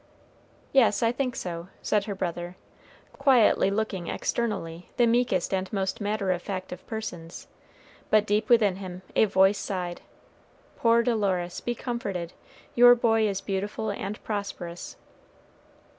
"Yes, I think so," said her brother, quietly looking, externally, the meekest and most matter of fact of persons, but deep within him a voice sighed, "Poor Dolores, be comforted, your boy is beautiful and prosperous!"